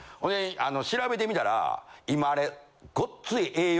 調べてみたら今あれ。